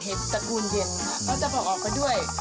เห็ดตระกูลเย็นค่ะก็จะผ่อนออกไปด้วย